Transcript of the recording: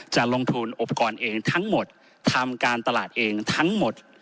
จะลงทุนอุปกรณ์เองทั้งหมดทำการตลาดเองทั้งหมด